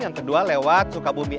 yang kedua lewat sukabumi